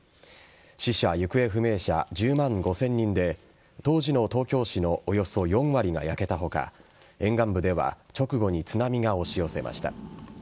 死者・行方不明者１０万５０００人で当時の東京市のおよそ４割が焼けた他沿岸部では直後に津波が押し寄せました。